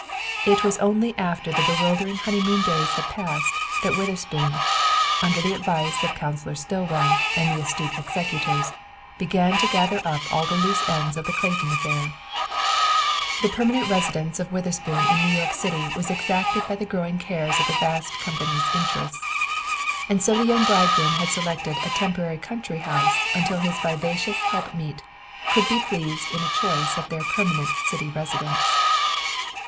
It was only after the bewildering honeymoon days had passed that Witherspoon, under the advice of Counselor Stillwell and the astute executors, began to gather up all the loose ends of the Clayton affair. The permanent residence of Witherspoon in New York City was exacted by the growing cares of the vast company's interests. And so the young bridegroom had selected a temporary country house until his vivacious helpmeet could be pleased in a choice of their permanent city residence.